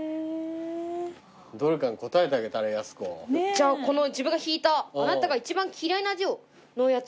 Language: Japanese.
じゃあこの自分が引いた「あなたが一番嫌いな字を」のやつ。